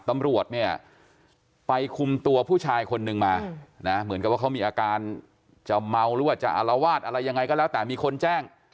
ตำรวจเนี่ยไปคุมตัวผู้ชายคนนึงมานะเหมือนกับว่าเขามีอาการจะเมาหรือว่าจะอารวาสอะไรยังไงก็แล้วแต่มีคนแจ้ง